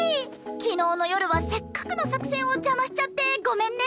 昨日の夜はせっかくの作戦を邪魔しちゃってごめんね。